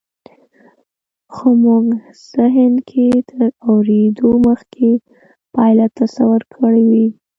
خو مونږ زهن کې تر اورېدو مخکې پایله تصور کړې وي